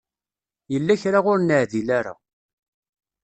Yella kra ur neɛdil ara.